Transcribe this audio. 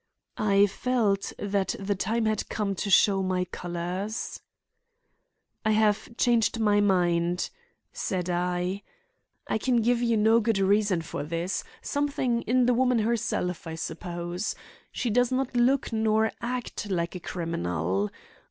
I felt that the time had come to show my colors. "I have changed my mind," said I. "I can give you no good reason for this; something in the woman herself, I suppose. She does not look nor act like a criminal.